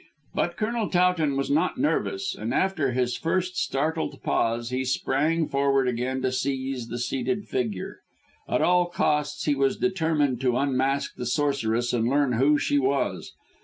But Colonel Towton was not nervous, and after his first startled pause he sprang forward again to seize the seated figure. At all costs he was determined to unmask the sorceress and learn who she was.